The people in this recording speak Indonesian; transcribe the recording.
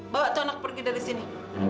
bawa tuh anak pergi dari sini